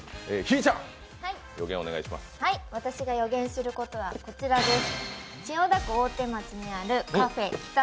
私が予言することはこちらです。